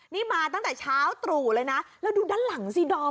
นี่มาตั้งแต่เช้าตรู่เลยนะแล้วดูด้านหลังสิดอม